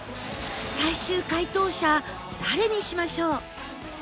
最終解答者誰にしましょう？